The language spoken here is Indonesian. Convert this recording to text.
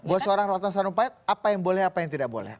buat seorang ratna sarumpait apa yang boleh apa yang tidak boleh